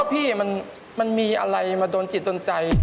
พี่ไม่รู้ว่ามันมีอะไรมาโดนจิตรนใจ